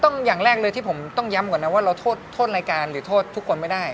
อย่างแรกเลยที่ผมต้องย้ำก่อนนะว่าเราโทษรายการหรือโทษทุกคนไม่ได้